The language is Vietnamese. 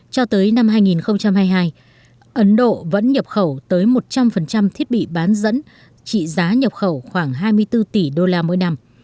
cho tới năm hai nghìn hai mươi hai ấn độ vẫn nhập khẩu tới một trăm linh thiết bị bán dẫn trị giá nhập khẩu khoảng hai mươi bốn tỷ đô la mỗi năm